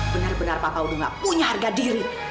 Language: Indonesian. benar benar papa udah gak punya harga diri